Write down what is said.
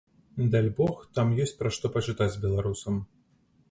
Дальбог, там ёсць пра што пачытаць беларусам.